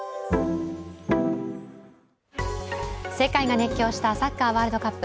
世界が熱狂したサッカーワールドカップ。